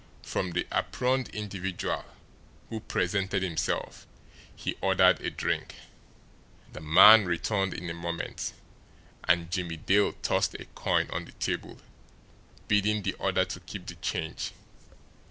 From the aproned individual who presented himself he ordered a drink. The man returned in a moment, and Jimmie Dale tossed a coin on the table, bidding the other keep the change.